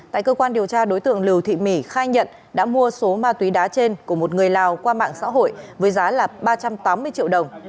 tại cơ quan điều tra đối tượng lưu thị mỉ khai nhận đã mua số ma túy đá trên của một người lào qua mạng xã hội với giá là ba trăm tám mươi triệu đồng